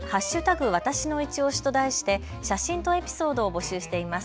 わたしのいちオシと題して写真とエピソードを募集しています。